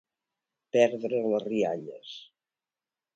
Perdre les rialles.